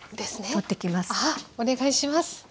お願いします。